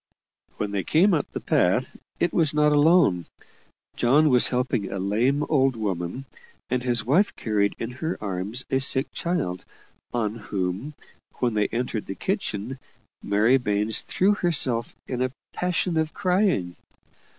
When they came up the path, it was not alone John was helping a lame old woman, and his wife carried in her arms a sick child, on whom, when they entered the kitchen, Mary Baines threw herself in a passion of crying.